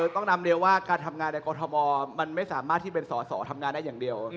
ต้องนำเรียนว่าการทำงานในกรทมมันไม่สามารถที่เป็นสอสอทำงานได้อย่างเดียว